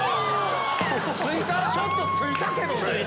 ちょっとついたけどね。